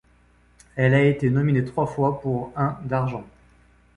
Elle a été nominée trois fois pour un d'argent.